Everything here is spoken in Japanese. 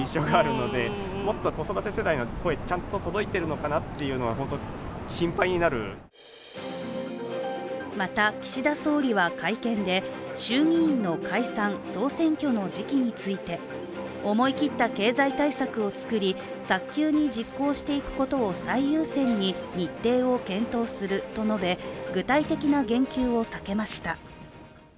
新たな岸田内閣に期待することを聞くとまた、岸田総理は会見で衆議院の解散総選挙の時期について思い切った経済対策をつくり早急に実行していくことを最優先に日程を検討すると述べ具体的な言及を避けました。